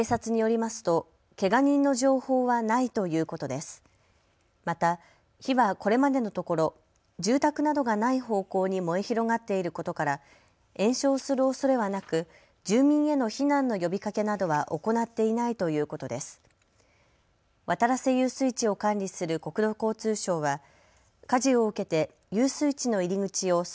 また火はこれまでのところ住宅などがない方向に燃え広がっていることから延焼するおそれはなく住民への避難の呼びかけなどは行っていないということです。